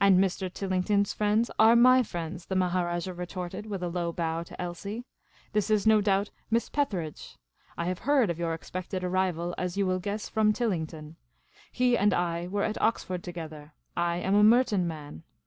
And Mr. Tillington's friends are my friends," the Maharajah retorted, with a low bow to Elsie. " This is no doubt Miss Petheridge. I have heard of your expected arrival, as you will guess, from Tillington. He and I were at Oxford together ; I am a Merton man.